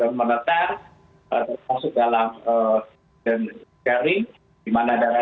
lalu kita juga berharap daerah